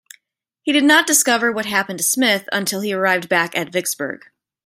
He did not discover what happened to Smith until he arrived back at Vicksburg.